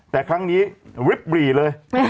และครั้งนี้ริบบรีเลย